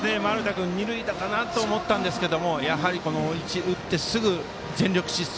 君２塁打かなと思ったんですけどやはり打ってすぐ全力疾走。